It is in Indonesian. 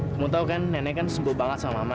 kamu tau kan nenek kan sembuh banget sama mama